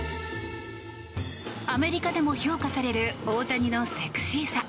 アメリカでも評価される大谷のセクシーさ。